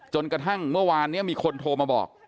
จนกระทั่งเมื่อวานนี้มีคนโทรมาบอก